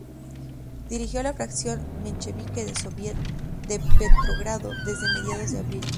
Dirigió la fracción menchevique del Sóviet de Petrogrado desde mediados de abril.